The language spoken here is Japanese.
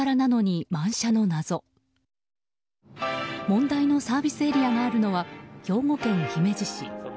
問題のサービスエリアがあるのは兵庫県姫路市。